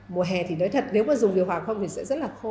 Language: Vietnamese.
mùa hè thì nói thật nếu mà dùng điều hòa không thì sẽ rất là khô